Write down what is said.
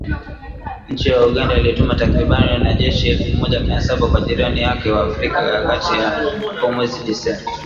Nchi ya Uganda ilituma takribani wanajeshi elfu moja mia saba kwa jirani yake wa Afrika ya kati hapo mwezi Disemba